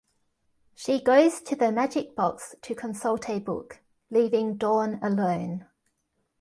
She goes to the Magic Box to consult a book, leaving Dawn alone.